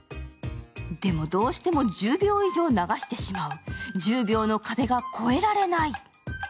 でも、どうしても１０秒以上流してしまう、１０秒の壁が越えられない。